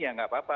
ya tidak apa apa